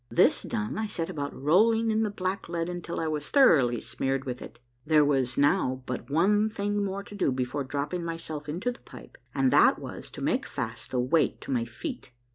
This done, I set about rolling in the black lead until I was thoroughly smeared with it. There was now but one thing more to do before dropping my self into the pipe, and that was to make fast the weight to my feet.